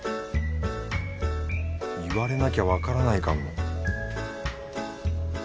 言われなきゃわからないかも